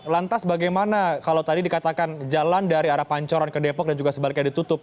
lantas bagaimana kalau tadi dikatakan jalan dari arah pancoran ke depok dan juga sebaliknya ditutup